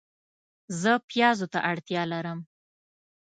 زه پیازو ته اړتیا لرم